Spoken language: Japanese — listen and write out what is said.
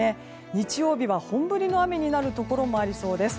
日曜日は本降りの雨になるところもありそうです。